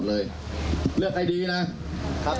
เลือกไว้ดีเนาะ